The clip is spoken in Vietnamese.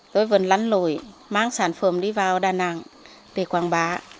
tôi vẫn lắn lỗi mang sản phẩm đi vào đà nẵng để quảng bá